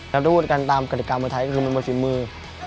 แล้วถ้าพูดกันตามกฎิกามวยไทยก็คือมันเป็นฝีมือ